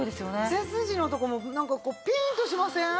背筋のとこもなんかこうピンとしません？